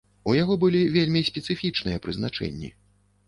У яго былі вельмі спецыфічныя прызначэнні.